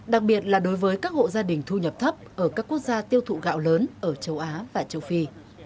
đặc biệt là đối với các hộ gia đình thu nhập thấp ở các quốc gia tiêu thụ gạo lớn ở châu á và châu phi